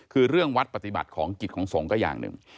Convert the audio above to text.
คือเรื่องวัดปฏิบัติของกิจของสงฆ์ก็อย่างหนึ่ง